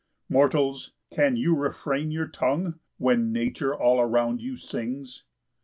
9 Mortals, can you refrain your tongue, When nature all around you sings?